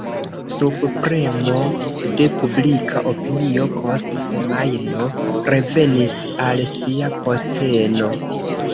Sub premo de publika opinio post semajno revenis al sia posteno.